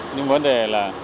nhưng vấn đề là